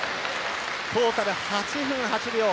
トータル８分８秒。